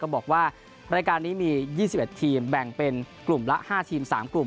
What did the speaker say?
บอกว่ารายการนี้มี๒๑ทีมแบ่งเป็นกลุ่มละ๕ทีม๓กลุ่ม